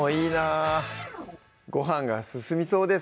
ごはんが進みそうです